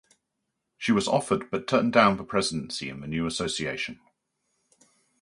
She was offered but turned down the presidency if the new association.